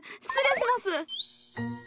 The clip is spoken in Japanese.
失礼します！